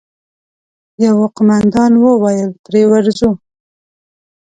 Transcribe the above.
يوه قوماندان وويل: پرې ورځو!